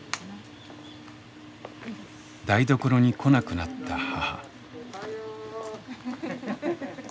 台所に来なくなった母。